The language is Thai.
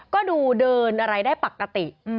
ก็ดูเดินอะไรได้ปกติ